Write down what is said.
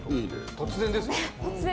突然ですよね。